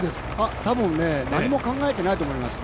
多分ね、何も考えてないと思います。